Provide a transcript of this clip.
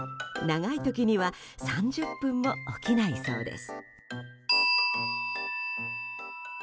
長い時には３０分も起きないそうです。